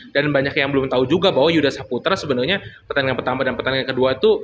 dan banyak yang belum tau juga bahwa yudha saputra sebenarnya pertandingan pertama dan pertandingan kedua itu